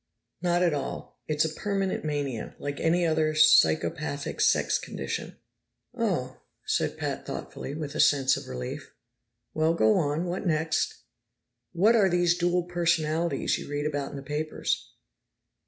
"Not at all. It's a permanent mania, like any other psychopathic sex condition." "Oh," said Pat thoughtfully, with a sense of relief. "Well, go on. What next?" "What are these dual personalities you read about in the papers?"